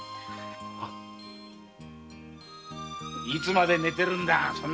いつまで寝てるんだそんな傷